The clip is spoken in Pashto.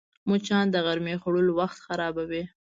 مچان د غرمې خوړلو وخت خرابوي